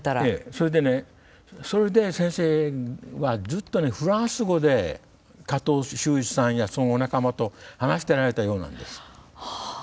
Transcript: それでねそれで先生はずっとねフランス語で加藤周一さんやそのお仲間と話しておられたようなんです。